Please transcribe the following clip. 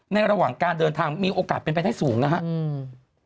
ระหว่างการเดินทางมีโอกาสเป็นไปได้สูงนะครับอืม